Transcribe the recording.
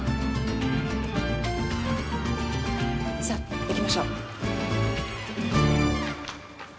さあ行きましょう。